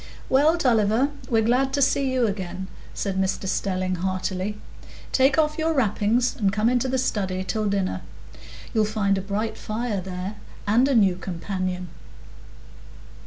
"Well, Tulliver, we're glad to see you again," said Mr Stelling, heartily. "Take off your wrappings and come into the study till dinner. You'll find a bright fire there, and a new companion."